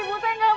saya gak mampu bu